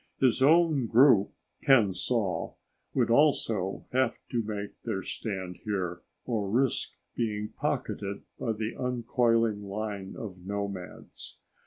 His own group, Ken saw, would also have to make their stand here or risk being pocketed by the uncoiling line of nomads.